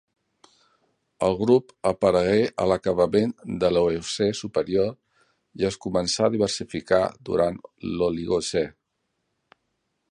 El grup aparegué a l'acabament de l'Eocè superior i es començà a diversificar durant l'Oligocè.